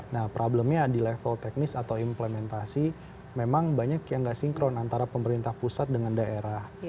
nah problemnya di level teknis atau implementasi memang banyak yang nggak sinkron antara pemerintah pusat dengan daerah